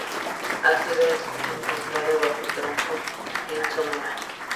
Han sido encontradas bajo troncos en Sonora.